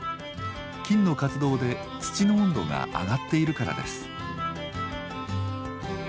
菌の活動で土の温度が上がっているからです。